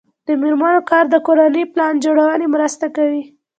د میرمنو کار د کورنۍ پلان جوړونې مرسته کوي.